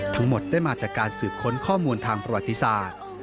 ทั้งหมดได้มาจากการสืบค้นข้อมูลทางประวัติศาสตร์